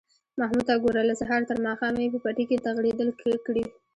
محمود ته گوره! له سهاره تر ماښامه یې په پټي کې تغړېدل کړي